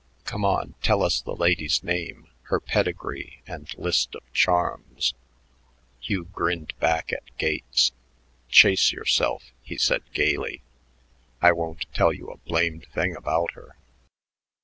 Come on, tell us the lady's name, her pedigree, and list of charms." Hugh grinned back at Gates. "Chase yourself," he said gaily. "I won't tell you a blamed thing about her."